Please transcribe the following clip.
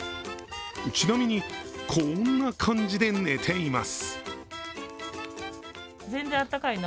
ちなみに、こんな感じで寝ています